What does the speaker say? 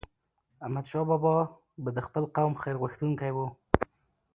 احمدشاه بابا به د خپل قوم خیرغوښتونکی و.